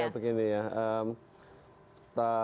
pilih keselamatan ya